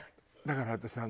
だから私